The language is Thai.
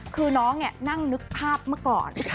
คือน้องนั่งนึกภาพเมื่อก่อน